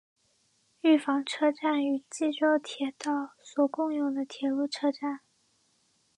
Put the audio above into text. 御坊车站与纪州铁道所共用的铁路车站。